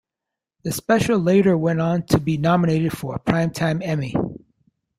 The special later went on to be nominated for a primetime Emmy.